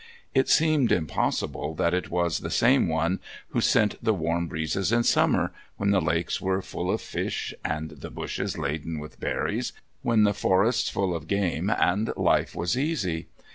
It seemed impossible that it was the same One who sent the warm breezes in summer, when the lakes were full of fish and the bushes laden with berries, when the forests full of game, and life was easy.